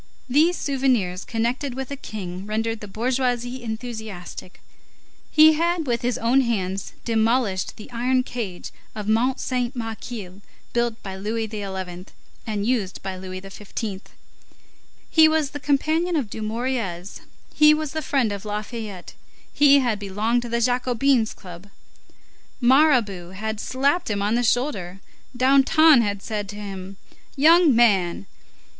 These souvenirs connected with a king rendered the bourgeoisie enthusiastic. He had, with his own hands, demolished the iron cage of Mont Saint Michel, built by Louis XI., and used by Louis XV. He was the companion of Dumouriez, he was the friend of Lafayette; he had belonged to the Jacobins' club; Mirabeau had slapped him on the shoulder; Danton had said to him: "Young man!"